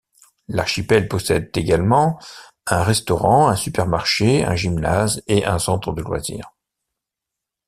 L'archipel possède également un restaurant, un supermarché, un gymnase et un centre de loisirs.